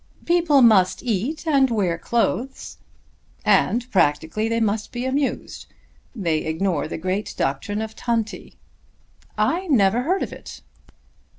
"People must eat and wear clothes." "And practically they must be amused. They ignore the great doctrine of 'tanti.'" "I never heard of it."